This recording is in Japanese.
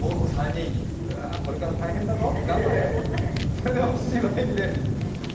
それでは７時の天気です。